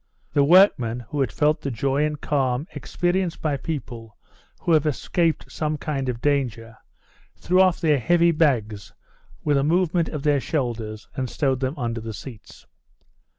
The workmen, who felt the joy and calm experienced by people who have escaped some kind of danger, threw off their heavy bags with a movement of their shoulders and stowed them away under the seats.